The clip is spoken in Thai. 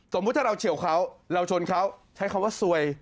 สมมุติถ้าเราเฉียวเขาเราชนเขาใช้คำว่าซวย